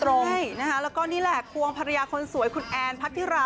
ใช่นะคะแล้วก็นี่แหละควงภรรยาคนสวยคุณแอนพัทธิรา